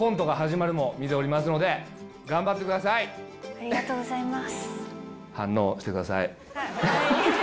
ありがとうございます。